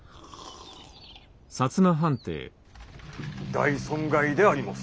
大損害でありもす！